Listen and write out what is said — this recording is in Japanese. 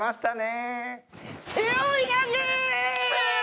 背負い投げ。